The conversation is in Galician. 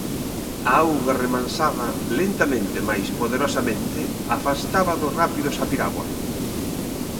A auga remansada, lentamente mais poderosamente, afastaba dos rápidos a piragua.